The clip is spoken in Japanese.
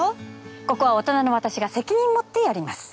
ここは大人の私が責任持ってやります。